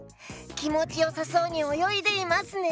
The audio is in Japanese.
きもちよさそうにおよいでいますね！